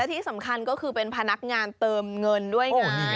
ที่สำคัญก็คือเป็นพนักงานเติมเงินด้วยไง